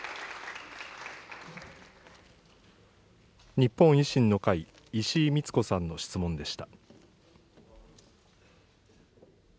日本維新の会、石井苗子さんの質問でした。